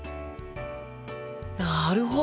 なるほど！